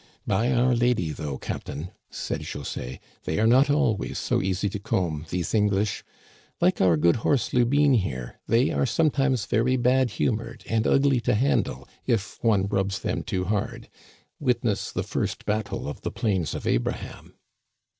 " By our lady, though, captain," said José, " they are not always so easy to comb, these English. Like our good horse Lubine here, they are sometimes very bad humored and ugly to handle if one rubs them too hard. Witness the first battle of the Plains of Abraham